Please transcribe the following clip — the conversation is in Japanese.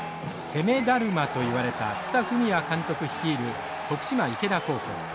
攻めだるまといわれた蔦文也監督率いる徳島池田高校。